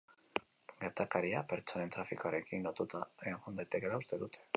Gertakaria pertsonen trafikoarekin lotuta egon daitekeela uste dute.